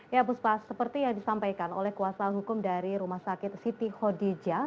ya puspa seperti yang disampaikan oleh kuasa hukum dari rumah sakit siti hodija